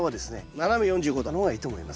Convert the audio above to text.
斜め４５度の方がいいと思います。